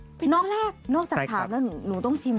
นักแรกนอกจากถามแล้วหนูต้องชิมด้วย